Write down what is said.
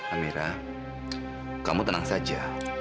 amira kamu tenang saja